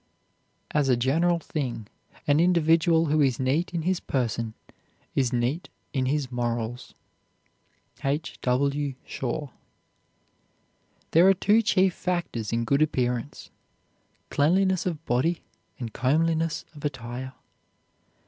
As a general thing an individual who is neat in his person is neat in his morals. H. W. SHAW. There are two chief factors in good appearance; cleanliness of body and comeliness of attire.